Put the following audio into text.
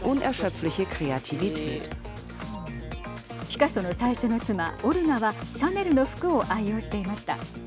ピカソの最初の妻オルガはシャネルの服を愛用していました。